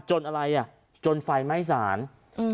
อะไรอ่ะจนไฟไหม้สารอืม